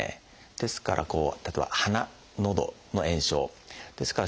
ですからこう例えば鼻のどの炎症。ですから